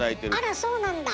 あらそうなんだ！